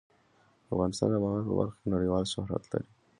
افغانستان د بامیان په برخه کې نړیوال شهرت لري.